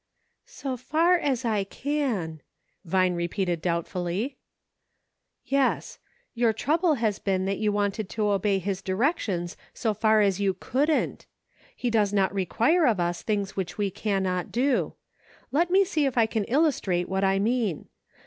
" So far as I can,'' Vine repeated doubtfully. " Yes ; your trouble has been that you wanted to obey his directions so far as you couldiit ; He does not require of us things which we can not do. Let me see if I can illustrate what I mean.